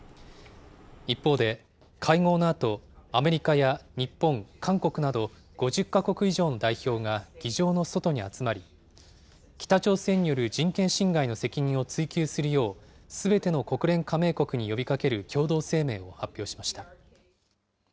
一方で、会合のあと、アメリカや日本、韓国など５０か国以上の代表が議場の外に集まり、北朝鮮による人権侵害の責任を追及するよう、すべての国連加盟国に呼びかける共同声明を発表しました。